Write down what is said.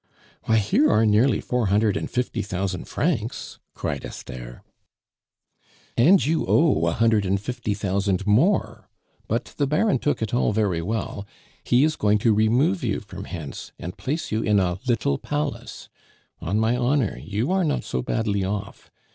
"Why, here are nearly four hundred and fifty thousand francs," cried Esther. "And you owe a hundred and fifty thousand more. But the Baron took it all very well. He is going to remove you from hence, and place you in a little palace. On my honor, you are not so badly off.